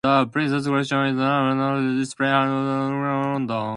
The priceless collection is now on permanent display at Ranger's House in London.